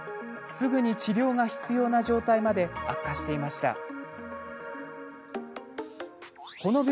すぐに治療が必要な状態まで悪化していたのです。